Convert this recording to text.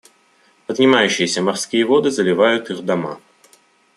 Поднимающиеся морские воды заливают их дома.